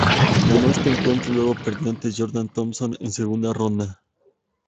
Ganó este encuentro y luego perdió ante Jordan Thompson en segunda ronda.